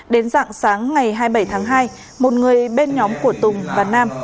đến dạng sáng ngày hai mươi bảy tháng hai một người bên nhóm của tùng và nam